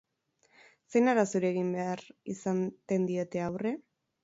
Zein arazori egin behar izaten diete aurre?